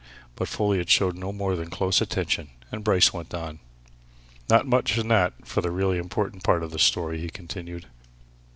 But Folliot showed no more than close attention, and Bryce went on. "Not much in that for the really important part of the story," he continued.